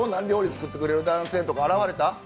料理作ってくれる男性とか現れた？